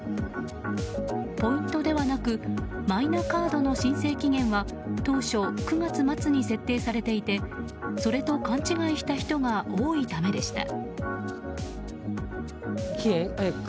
ポイントではなくマイナカードの申請期限は当初、９月末に設定されていてそれと勘違いした人が多いためでした。